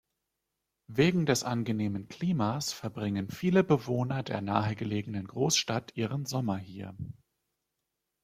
Wegen des angenehmen Klimas verbringen viele Bewohner der nahegelegenen Großstadt ihren Sommer hier.